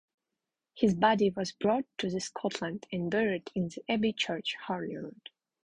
His body was brought to Scotland, and buried in the Abbey Church, Holyrood.